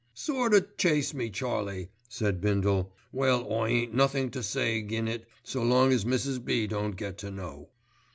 "Sort o' chase me Charlie," said Bindle, "well I ain't nothink to say agin' it, so long as Mrs. B. don't get to know.